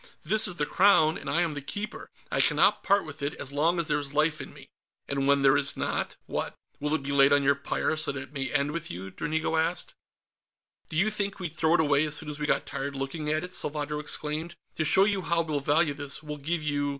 "This is the Crown, and I am the Keeper; I cannot part with it as long as there is life in me." "And when there is not, what? Will it be laid on your pyre, so that it may end with you?" Dranigo asked. "Do you think we'd throw it away as soon as we got tired looking at it?" Salvadro exclaimed. "To show you how we'll value this, we'll give you